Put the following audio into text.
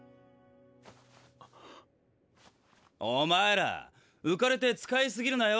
お前ら浮かれて使いすぎるなよ。